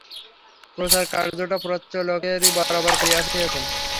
প্রচারকার্যটা প্রাচ্য লোকেরাই বরাবর করিয়া আসিয়াছে।